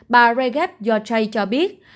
bà jareff cho biết